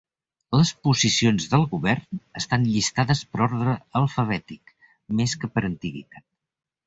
Les posicions del govern estan llistades per ordre alfabètic, més que per antiguitat.